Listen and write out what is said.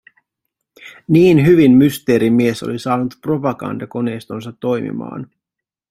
Niin hyvin Mysteerimies oli saanut propagandakoneistonsa toimimaan.